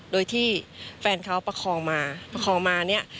โดยที่แฟนเขาประคองมา